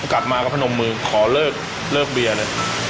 กลับมาก็พนมมือขอเลิกเบียร์เลย